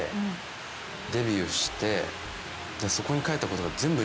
そこに書いたことが。